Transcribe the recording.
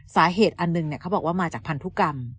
สาเหตุอันหนึ่งเขาบอกว่ามาจากพันธุกรรม